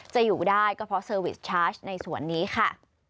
จะอยู่ได้ก็เพราะเซอร์วิสชาร์จในส่วนนี้ค่ะ